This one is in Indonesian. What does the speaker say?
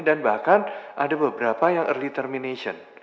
dan bahkan ada beberapa yang early termination